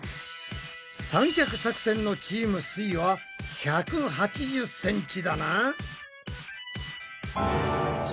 三脚作戦のチームすイは１８０ｃｍだな。